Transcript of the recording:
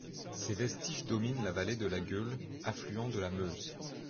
Ses vestiges dominent la vallée de la Gueule, affluent de la Meuse.